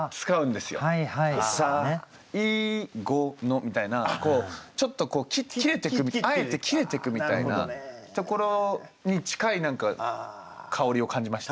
「最後の」みたいなちょっと切れてくあえて切れてくみたいなところに近い何か香りを感じまして。